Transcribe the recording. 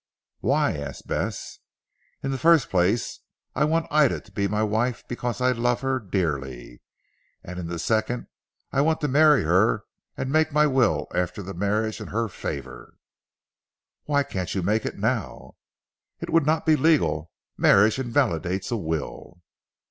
"Why?" asked Bess. "In the first place I want Ida to be my wife because I love her dearly, and in the second I want to marry her and make my will after the marriage in her favour." "Why can't you make it now?" "It would not be legal. Marriage invalidates a will."